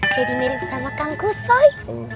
jadi mirip sama kang kusoy